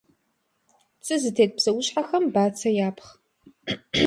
Цы зытет псэущхьэхэм бацэ япхъ.